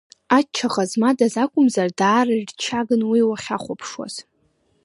Аччаха змадаз акәымзар, даара ирччаган уи уахьахәаԥшуаз.